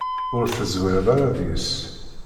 Ur teẓwireḍ ara deg-s.